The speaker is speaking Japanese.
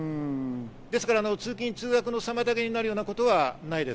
ですから通勤、通学の妨げになるようなことはないです。